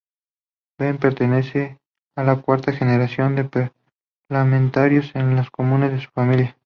Benn pertenece a la cuarta generación de parlamentarios en la Comunes de su familia.